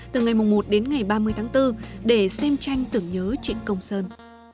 từ ngày một đến ngày ba mươi tháng bốn để xem tranh tưởng nhớ trịnh công sơn